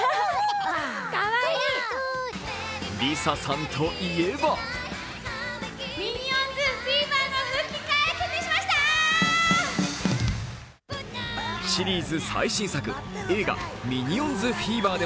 ＬｉＳＡさんといえばシリーズ最新作映画「ミオニンズフィーバー」